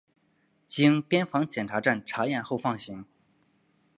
经边防检查站查验后放行。